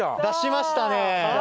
出しました。